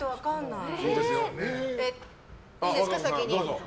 いいですか、先に。